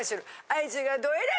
愛知がどえりゃ